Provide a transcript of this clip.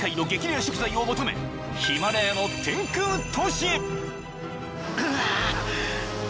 レア食材を求めヒマラヤの天空都市へ］